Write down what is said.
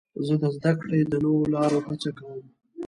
زه د زدهکړې د نوو لارو هڅه کوم.